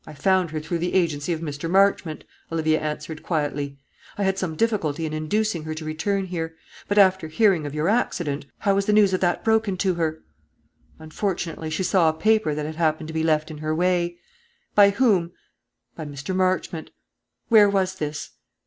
"I found her through the agency of Mr. Marchmont," Olivia answered, quietly. "I had some difficulty in inducing her to return here; but after hearing of your accident " "How was the news of that broken to her?" "Unfortunately she saw a paper that had happened to be left in her way." "By whom?" "By Mr. Marchmont." "Where was this?"